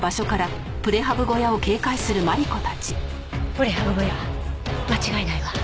プレハブ小屋間違いないわ。